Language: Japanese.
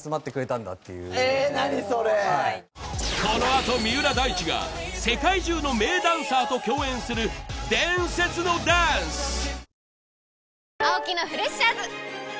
このあと三浦大知が世界中の名ダンサーと共演する伝説のダンス。